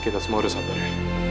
kita semua harus santai